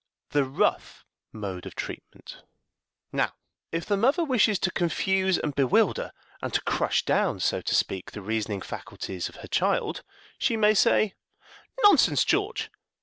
The Rough Mode of Treatment. Now, if the mother wishes to confuse and bewilder, and to crush down, so to speak, the reasoning faculties of her child, she may say, "Nonsense, George!